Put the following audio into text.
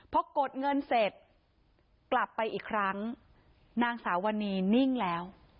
พอกดเงินเสร็จกลับไปอีกครั้งนางสาวนีนิ่งแล้ว